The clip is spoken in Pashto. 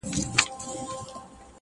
له مُسکۍ ښکلي مي خولګۍ غوښته،